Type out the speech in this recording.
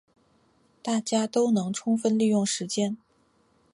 大家能充分利用时间